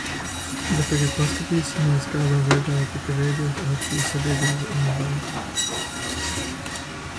"Bet tagad paskatīsimies, kādā veidā tika veidota akciju sabiedrība "Unibanka"."